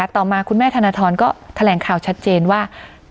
ต่อมาคุณแม่ธนทรก็แถลงข่าวชัดเจนว่า